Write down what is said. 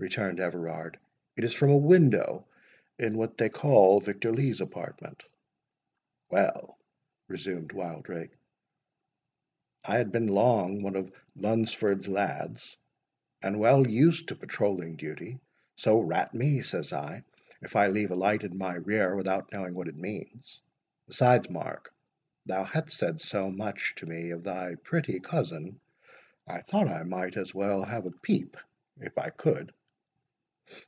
returned Everard. "It is from a window in what they call Victor Lee's apartment." "Well," resumed Wildrake, "I had been long one of Lundsford's lads, and well used to patrolling duty—So, rat me, says I, if I leave a light in my rear, without knowing what it means. Besides, Mark, thou hadst said so much to me of thy pretty cousin, I thought I might as well have a peep, if I could."